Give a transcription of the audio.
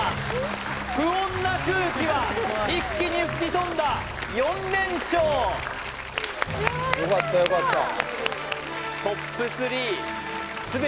不穏な空気は一気に吹き飛んだ４連勝よかったよかった